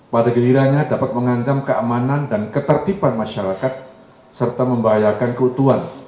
pada gilirannya dapat mengancam keamanan dan ketertiban masyarakat serta membahayakan keutuhan